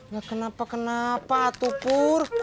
ya kenapa kenapa tuh pur